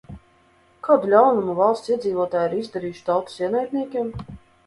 "Kādu ļaunumu valsts iedzīvotāji ir izdarījuši "tautas ienaidniekiem"?"